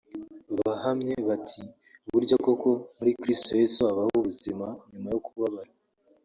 bahamye bati “Burya koko muri Kristo Yesu habaho ubuzima nyuma yo kubabara